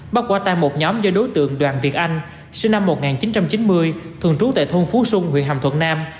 bắt quả tan một nhóm do đối tượng đoàn việt anh sinh năm một nghìn chín trăm chín mươi thường trú tại thôn phú sung huyện hàm thuận nam